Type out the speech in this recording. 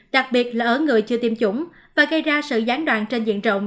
đặc biệt là ở người chưa tiêm chủng và gây ra sự gián đoạn trên diện rộng